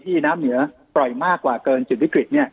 ที่น้ำเหนือปล่อยมากกว่าจุดวิคคลิต